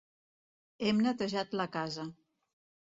Hem netejat la casa.